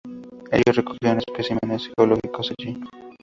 Ellos recogieron especímenes geológicos allí.